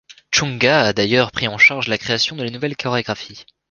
Chungha a d'ailleurs pris en charge la création de la nouvelle chorégraphie.